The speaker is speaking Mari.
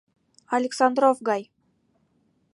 АЛЕКСАНДРОВ-ГАЙ